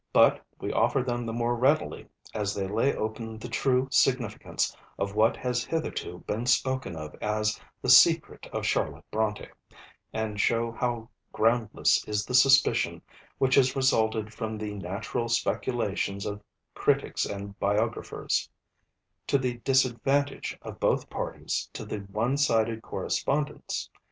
But we offer them the more readily, as they lay open the true significance of what has hitherto been spoken of as the "Secret of Charlotte Brontë," and show how groundless is the suspicion which has resulted from the natural speculations of critics and biographers; to the disadvantage of both parties to the one sided correspondence.